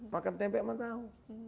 makan tempe sama tahu